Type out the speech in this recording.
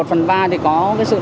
các bác sĩ đã góp sức